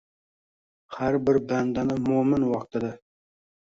Har bir bandai moʻmin vaqtida.